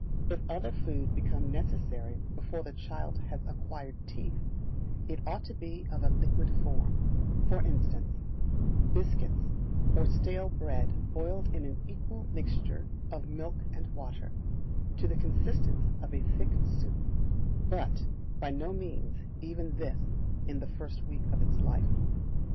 If other food become necessary before the child has acquired teeth, it ought to be of a liquid form; for instance, biscuits or stale bread boiled in an equal mixture of milk and water, to the consistence of a thick soup; but by no means even this in the first week of its life.